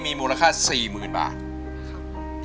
อันดับนี้เป็นแบบนี้